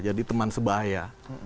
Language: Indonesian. jadi teman sebaya